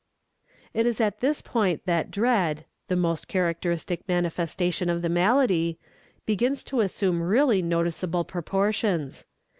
It is at this point that Dread, the most characteristic manifestation of the malady, begins to assume really noticeable proportions.